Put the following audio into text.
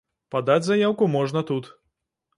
Падаць заяўку можна тут.